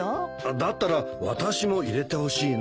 だったら私も入れてほしいな。